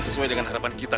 sesuai dengan harapan kita